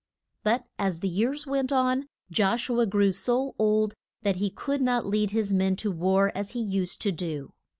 But as the years went on, Josh u a grew so old that he could not lead his men to war as he used to do.